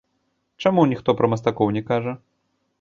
Чаму ніхто пра мастакоў не кажа?